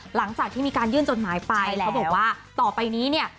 หลังจากที่มีการยื่นจดหมายไปเขาบอกว่าต่อไปนี้เนี่ย